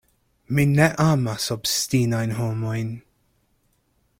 Mi ne amas obstinajn homojn.